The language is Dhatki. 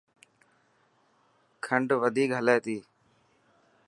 کنڊ وڌيڪ هلي تي.